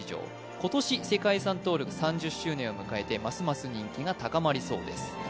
今年世界遺産登録３０周年を迎えてますます人気が高まりそうです